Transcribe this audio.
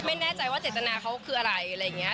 ไม่แน่ใจว่าเจตนาเขาคืออะไรอะไรอย่างนี้